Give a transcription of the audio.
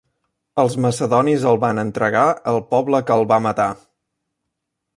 Els macedonis el van entregar al poble que el va matar.